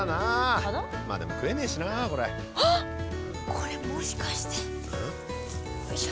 これもしかしてよいしょ。